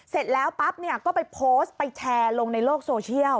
เสร็จแล้วปั๊บเนี่ยก็ไปโพสต์ไปแชร์ลงในโลกโซเชียล